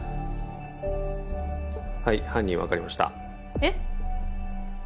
はい犯人分かりましたえっ？